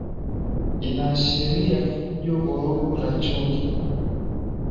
inaashiria fujo vurugu na chuki